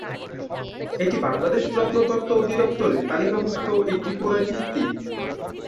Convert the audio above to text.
এটি বাংলাদেশ প্রত্নতত্ত্ব অধিদপ্তরে তালিকাভুক্ত একটি পুরাকীর্তি।